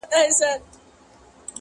کلونه واوښتل عمرونه تېر سول!